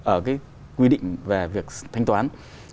ở cái quy định về việc thanh toán